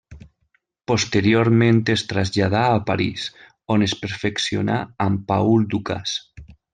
Posteriorment es traslladà a París, on es perfeccionà amb Paul Dukas.